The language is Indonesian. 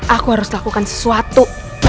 aku harus lakukan sesuatu